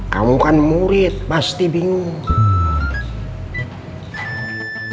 kamu kan murid pasti bingung